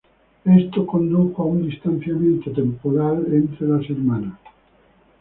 Esto condujo a un distanciamiento temporal entre las hermanas.